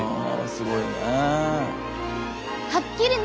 すごいねぇ。